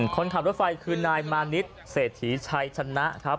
คนขับรถไฟคือนายมานิดเศรษฐีชัยชนะครับ